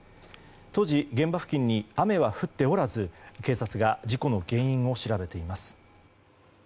当時、現場付近に雨は降っておらず警察が事故の原因を調べています。